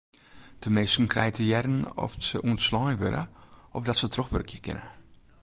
De minsken krije te hearren oft se ûntslein wurde of dat se trochwurkje kinne.